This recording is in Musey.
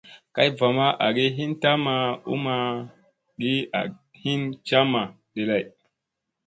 Kay va ma agi hin tamma u ma gi hin camma ɗi lay.